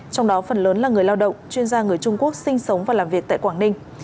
trong đó phần lớn là người lao động chuyên gia người trung quốc sinh sống và làm việc tại quảng ninh